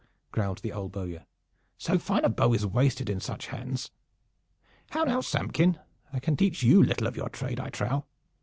growled the old bowyer. "So fine a bow is wasted in such hands. How now, Samkin? I can teach you little of your trade, I trow.